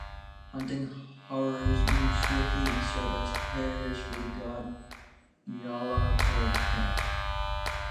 Hunting Horrors move swiftly and serve as harriers for the god Nyarlathotep.